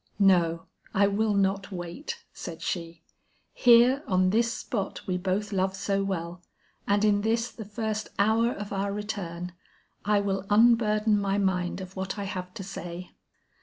"No, I will not wait," said she. "Here, on this spot we both love so well, and in this the first hour of our return, I will unburden my mind of what I have to say.